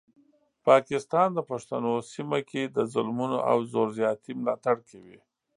پاکستان د پښتنو سیمه کې د ظلمونو او زور زیاتي ملاتړ کوي.